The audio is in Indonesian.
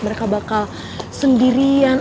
mereka bakal sendirian